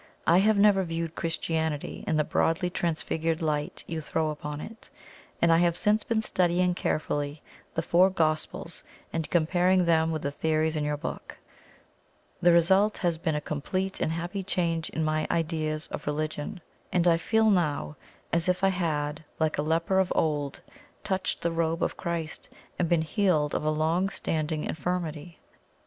I have never viewed Christianity in the broadly transfigured light you throw upon it, and I have since been studying carefully the four Gospels and comparing them with the theories in your book. The result has been a complete and happy change in my ideas of religion, and I feel now as if I had, like a leper of old, touched the robe of Christ and been healed of a long standing infirmity.